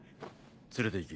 連れて行け。